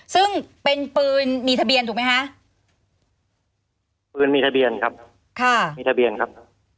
ซึ่งเป็นปืนมีทะเบียนถูกไหมคะปืนมีทะเบียนครับค่ะมีทะเบียนครับ